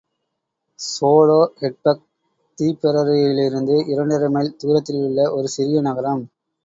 Soloheadbeg திப்பெரரியிலிருந்து இரண்டரை mile தூரத்திலுள்ள ஒரு சிறிய நகரம்.